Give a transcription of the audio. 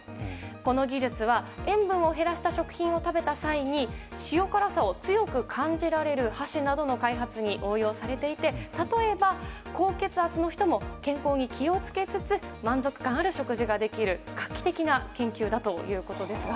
この技術は塩分を減らした食品を食べた際に塩辛さを強く感じられる箸などの開発に応用されていて例えば、高血圧の人も健康に気を付けつつ満足感ある食事ができる画期的な研究だということです。